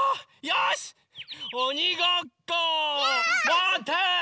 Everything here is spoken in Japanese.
まて！